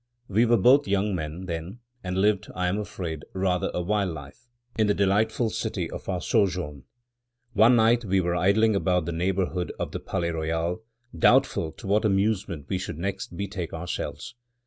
We were both young men then, and lived, I am afraid, rather a wild life, in the delightful city of our sojourn. One night we were idling about the neighborhood of the Palais Royal, doubtful to what amusement we should next betake ourselves.